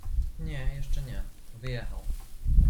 "„Nie, jeszcze nie; wyjechał“."